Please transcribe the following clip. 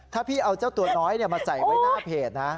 ถ้าพี่เอาเจ้าตัวน้อยมาใส่ไว้หน้าเพจนะ